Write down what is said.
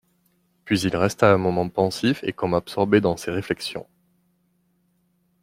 Puis il resta un moment pensif et comme absorbé dans ses réflexions.